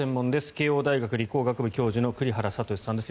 慶應大学理工学部教授の栗原聡さんです。